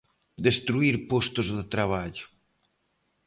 Destruír postos de traballo.